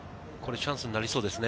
チャンスになりそうですね。